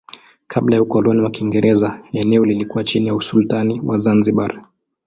Kabla ya ukoloni wa Kiingereza eneo lilikuwa chini ya usultani wa Zanzibar.